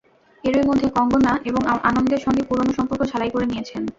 এরই মধ্যে কঙ্গনা এখন আনন্দের সঙ্গে পুরোনো সম্পর্ক ঝালাই করে নিয়েছেন।